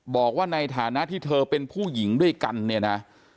บอกว่าในฐานะที่เธอเป็นผู้หญิงด้วยกันเนี่ยนะ